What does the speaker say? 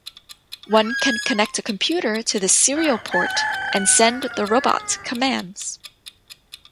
One can connect a computer to this serial port and send the robot commands.